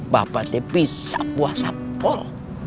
bapak tepi sapuah sapol